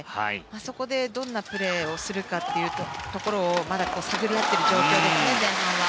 そこでどんなプレーをするかというところをまだ探り合っている状況ですね前半は。